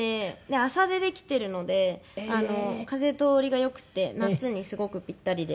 麻でできてるので風通りが良くて夏にすごくぴったりで。